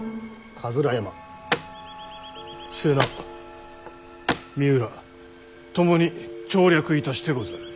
瀬名三浦ともに調略いたしてござる。